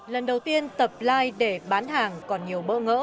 lần đầu tiên tập line để bán hàng còn nhiều bỡ ngỡ